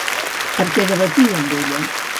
Per què debatia amb ella?